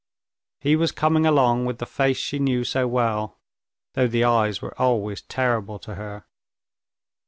He was coming along with the face she knew so well, though the eyes were always terrible to her.